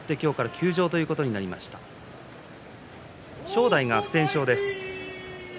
正代が不戦勝です。